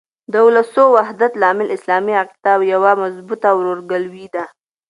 د اولسو د وحدت لامل اسلامي عقیده او یوه مضبوطه ورورګلوي ده.